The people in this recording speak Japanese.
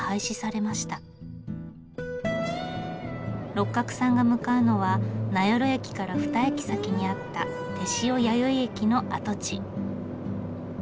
六角さんが向かうのは名寄駅から二駅先にあった天塩弥生駅の跡地。